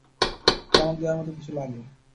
চমক দেয়ার মতো কিছু লাগে।